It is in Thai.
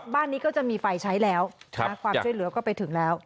บ้านนี้ก็จะมีไฟใช้แล้วความช่วยเหลือก็ไปถึงแล้ว